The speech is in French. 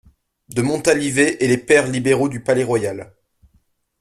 De Montalivet et les pairs libéraux du Palais-Royal.